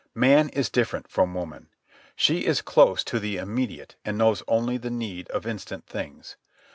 Man is different from woman. She is close to the immediate and knows only the need of instant things.